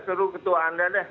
suruh ketua anda deh